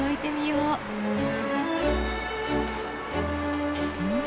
うん。